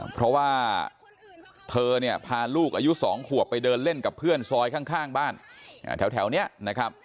เพราะว่าเธอเนี่ยพาลูกอายุ๒ขวบไปเดินเล่นกับเพื่อนซอยข้างบ้านแถวนี้นะครับ